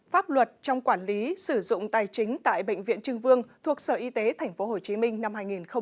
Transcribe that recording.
pháp luật trong quản lý sử dụng tài chính tại bệnh viện trưng vương thuộc sở y tế tp hcm năm hai nghìn một mươi bảy